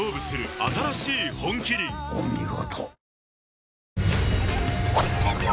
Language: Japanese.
お見事。